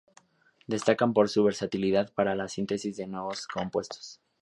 Destacan por su versatilidad para la síntesis de nuevos compuestos.